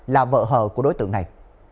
là vợ hờ của đối tượng này